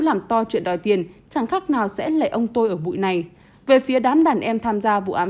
làm to chuyện đòi tiền chẳng khác nào sẽ lệ ông tôi ở bụi này về phía đám đàn em tham gia vụ án